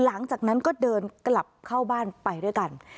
หลังจากนั้นก็เดินกลับเข้าบ้านไปด้วยกัน